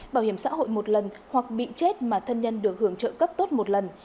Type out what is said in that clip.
bảo hiểm xã hội một lần hoặc bị chết mà thân nhân được hưởng trợ cấp tốt một lần